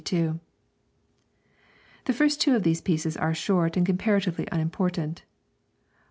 The first two of these pieces are short and comparatively unimportant.